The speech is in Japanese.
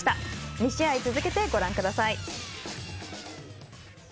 ２試合続けて、ご覧ください。